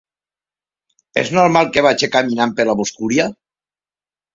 És normal que vagi caminant per la boscúria?